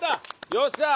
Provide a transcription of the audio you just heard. よっしゃー！